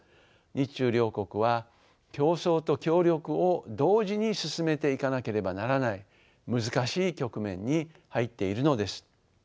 日中両国は競争と協力を同時に進めていかなければならない難しい局面に入っているのです。